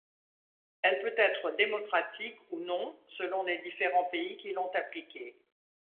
Elle peut être démocratique ou non, selon les différents pays qui l'ont appliquée.